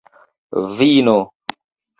vino